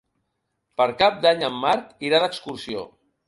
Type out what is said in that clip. Per Cap d'Any en Marc irà d'excursió.